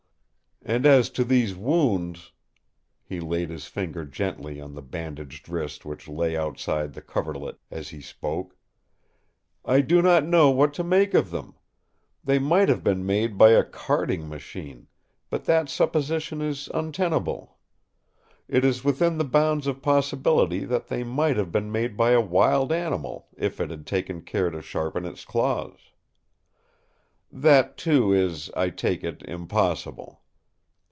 And as to these wounds"—he laid his finger gently on the bandaged wrist which lay outside the coverlet as he spoke, "I do not know what to make of them. They might have been made by a carding machine; but that supposition is untenable. It is within the bounds of possibility that they might have been made by a wild animal if it had taken care to sharpen its claws. That too is, I take it, impossible.